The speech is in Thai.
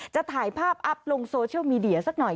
จะถ่ายภาพอัพลงโซเชียลมีเดียสักหน่อย